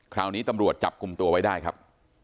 คราวนี้ตำรวจจับกลุ่มตัวไว้ได้ครับ